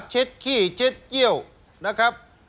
เช็ดขี้เช็ดเยี่ยวนะครับ